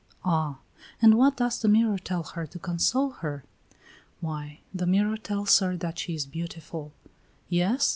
"Ah! And what does the mirror tell her to console her?" "Why, the mirror tells her that she is beautiful." "Yes?"